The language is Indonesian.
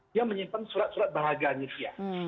dia menyimpan surat surat bahagia